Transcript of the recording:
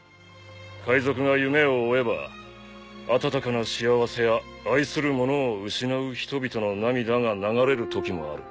海賊が夢を追えば温かな幸せや愛する者を失う人々の涙が流れるときもある。